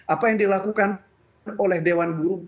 apa yang dilakukan oleh dewan guru